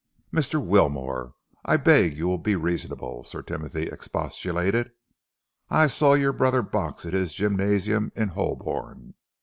"Mr. Wilmore, I beg that you will be reasonable," Sir Timothy expostulated. "I saw your brother box at his gymnasium in Holborn.